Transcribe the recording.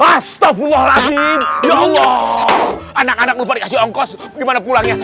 astagfirullahaladzim ya allah anak anak lu balik asyik ongkos gimana pulangnya